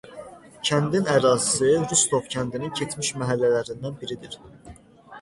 Kəndin ərazisi Rustov kəndinin keçmiş məhəllələrindən biridir.